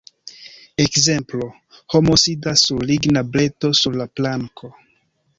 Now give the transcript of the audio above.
Ekzemplo: Homo sidas sur ligna breto sur la planko.